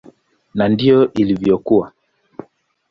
Na ndivyo ilivyokuwa.